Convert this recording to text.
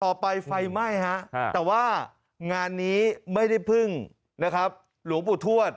ต่อไปไฟไหม้ฮะแต่ว่างานนี้ไม่ได้พึ่งหลวงปุฏวทวด